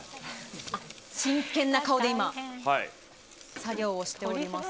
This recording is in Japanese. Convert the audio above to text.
真剣な顔で今、作業をしております。